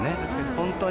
本当に。